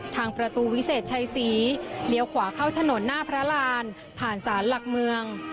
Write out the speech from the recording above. ทางประตูวิเศษชัยศรีเลี้ยวขวาเข้าถนนหน้าพระรานผ่านศาลหลักเมือง